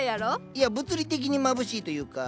いや物理的にまぶしいというか。